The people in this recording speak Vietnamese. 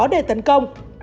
để tấn công